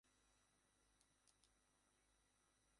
মনে হয় তিনি যেন এইমাত্র গোসলখানা থেকে বেরিয়ে এসেছেন।